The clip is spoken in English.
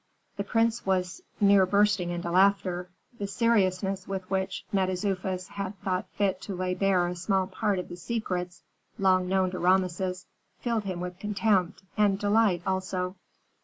The prince was near bursting into laughter. The seriousness with which Mentezufis had thought fit to lay bare a small part of the secrets long known to Rameses filled him with contempt and delight also.